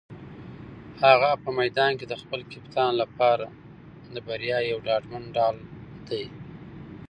هغه په میدان کې د خپل کپتان لپاره د بریا یو ډاډمن ډال دی.